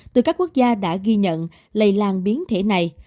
từ các quốc gia đã ghi nhận lây lan biến thể này